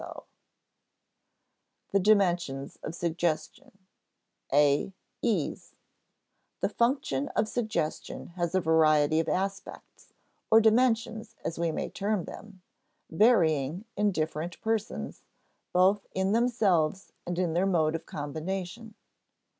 [Sidenote: The dimensions of suggestion:] [Sidenote: (a) ease] The function of suggestion has a variety of aspects (or dimensions as we may term them), varying in different persons, both in themselves and in their mode of combination.